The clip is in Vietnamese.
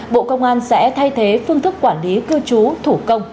bộ công an sẽ thay thế phương thức quản lý cư trú thủ công